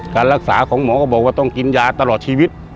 การรักษาของหมอก็บอกว่าต้องกินยาตลอดชีวิต